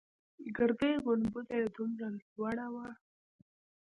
ګردۍ گنبده يې دومره لوړه وه.